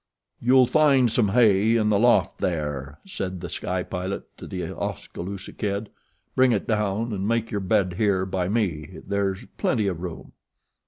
"You'll find some hay in the loft there," said The Sky Pilot to The Oskaloosa Kid. "Bring it down an' make your bed here by me, there's plenty room."